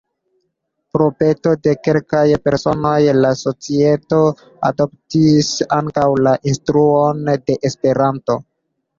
Pro peto de kelkaj personoj, la societo adoptis ankaŭ la instruon de Esperanto.